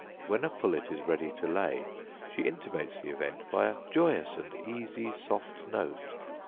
When a pullet is ready to lay she intimates the event by a joyous and easy soft note.